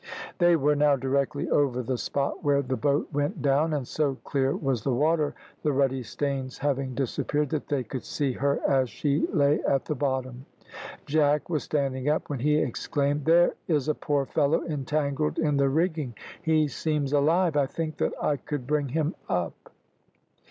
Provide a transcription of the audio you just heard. They were now directly over the spot where the boat went down, and so clear was the water, the ruddy stains having disappeared, that they could see her as she lay at the bottom. Jack was standing up, when he exclaimed "There is a poor fellow entangled in the rigging he seems alive. I think that I could bring him up."